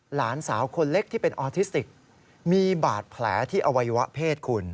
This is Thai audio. หลานสาวคนเล็กที่เป็นออทิสติกมีบาดแผลที่อวัยวะเพศคุณ